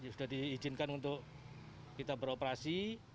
sudah diizinkan untuk kita beroperasi